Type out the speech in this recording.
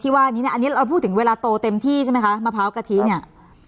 ว่านี้เนี่ยอันนี้เราพูดถึงเวลาโตเต็มที่ใช่ไหมคะมะพร้าวกะทิเนี่ย